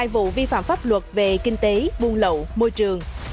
một mươi hai vụ vi phạm pháp luật về kinh tế buôn lậu môi trường